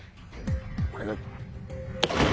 お願い。